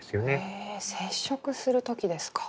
へえ接触する時ですか。